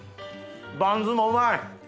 バンズもうまい！